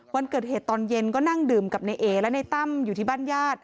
วันเกิดเหตุตอนเย็นก็นั่งดื่มกับในเอและในตั้มอยู่ที่บ้านญาติ